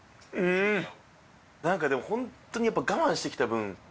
何かでもホントにやっぱ我慢してきた分